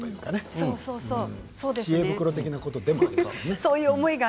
知恵袋的なことでもありますよね。